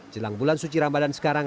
jelang bulan suci ramadan sekarang